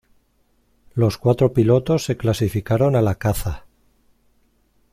Los cuatro pilotos se clasificaron a la Caza.